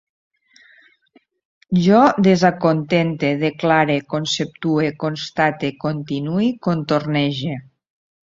Jo desacontente, declare, conceptue, constate, continue, contornege